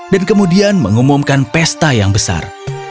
dan kemudian mengumumkan pesta yang besar